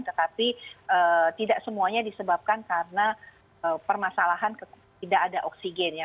tetapi tidak semuanya disebabkan karena permasalahan tidak ada oksigen ya